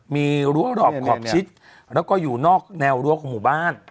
มีรั้วรอบขอบชิดแล้วก็อยู่นอกแนวรั้วของหมู่บ้าน